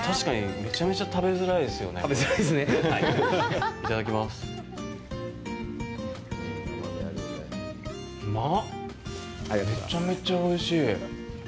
めっちゃめちゃおいしい。